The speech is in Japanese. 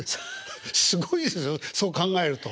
すごいですよそう考えると。